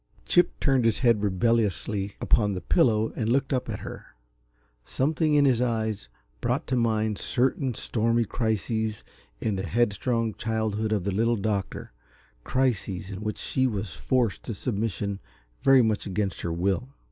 Chip turned his head rebelliously upon the pillow and looked up at her. Something in his eyes brought to mind certain stormy crises in the headstrong childhood of the Little Doctor crises in which she was forced to submission very much against her will.